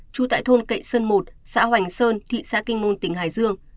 trú tại thôn cậy sơn một xã hoành sơn thị xã kinh môn tỉnh hải dương